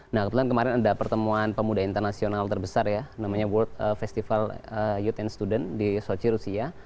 nah kebetulan kemarin ada pertemuan pemuda internasional terbesar ya namanya world festival youth and student di sochi rusia